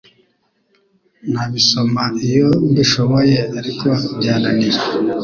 nabisoma iyo mbishoboye ariko byananiye